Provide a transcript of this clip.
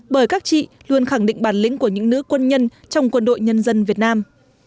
bởi các chị luôn khẳng định bản lĩnh của những nữ quân nhân trong quân đội nhân dân việt nam